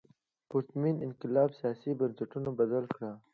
پرتمین انقلاب سیاسي بنسټونه بدل کړل.